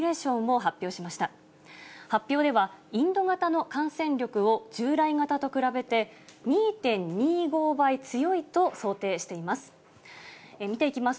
発表では、インド型の感染力を従来型と比べて２．２５倍強いと想定しています。